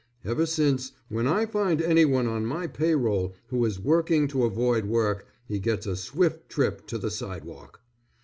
Ever since, when I find anyone on my pay roll who is working to avoid work, he gets a swift trip to the sidewalk.